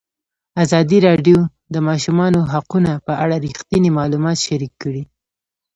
ازادي راډیو د د ماشومانو حقونه په اړه رښتیني معلومات شریک کړي.